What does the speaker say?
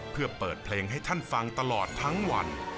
เพื่อเปิดเพลงให้ท่านฟังตลอดทั้งวัน